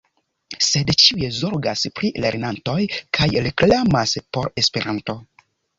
Sed ĉiuj zorgas pri lernantoj kaj reklamas por Esperanto.